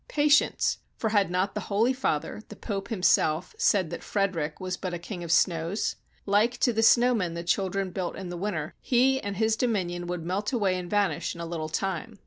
Patience! for had not the Holy Father, the Pope himself, said that Frederick was but a king of snows? Like to the snow men that children built in winter, he and his dominion would melt away and vanish in a little time.